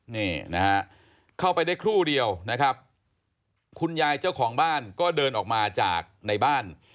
นี่นะฮะเข้าไปได้ครู่เดียวนะครับคุณยายเจ้าของบ้านก็เดินออกมาจากในบ้าน